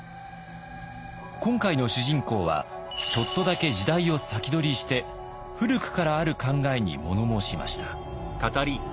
今回の主人公はちょっとだけ時代を先取りして古くからある考えに物申しました。